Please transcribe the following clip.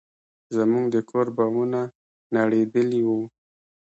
زموږ د کور بامونه نړېدلي وو.